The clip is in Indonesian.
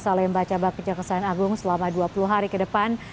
salemba cabang kejaksaan agung selama dua puluh hari ke depan